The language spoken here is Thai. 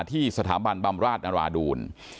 ที่สถาบันบำราชนราดูล